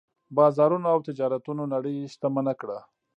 بازارونو او تجارتونو نړۍ شتمنه کړه.